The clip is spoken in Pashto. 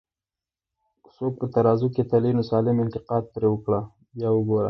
که څوک په ترازو کی تلې، نو سالم انتقاد پر وکړه بیا وګوره